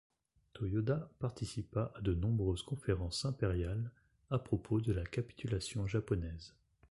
Toyoda participa à de nombreuses conférences impériales à propos de la capitulation japonaise.